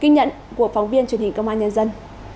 ghi nhận của phóng viên truyền hình công an nhân dân